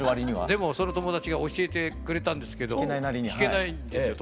でもその友達が教えてくれたんですけど弾けないんですよ